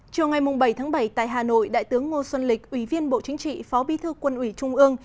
chiều ngày bảy tháng bảy tại hà nội đại tướng ngô xuân lịch ủy viên bộ chính trị phó bí thư quân ủy trung ương